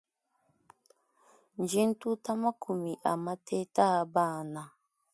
Ndi ntuta makumi a mateta abana.